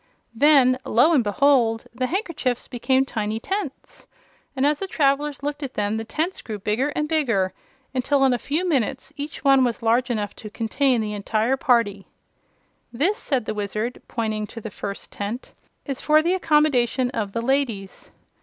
Then, lo and behold! the handkerchiefs became tiny tents, and as the travelers looked at them the tents grew bigger and bigger until in a few minutes each one was large enough to contain the entire party. "This," said the Wizard, pointing to the first tent, "is for the accommodation of the ladies.